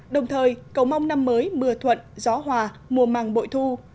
đồng thời cầu mong năm mới mưa thuận gió hòa mùa màng bội thu